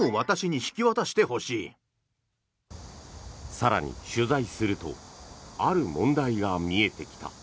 更に、取材するとある問題が見えてきた。